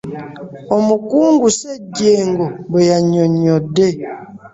Omukungu Ssejjengo bwe yannyonnyodde.